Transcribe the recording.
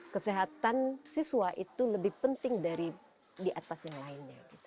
kesehatan siswa itu lebih penting dari di atas yang lainnya